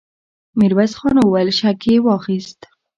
ميرويس خان وويل: شک يې واخيست!